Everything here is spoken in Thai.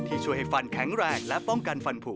ช่วยให้ฟันแข็งแรงและป้องกันฟันผูก